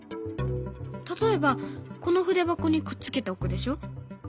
例えばこの筆箱にくっつけておくでしょ。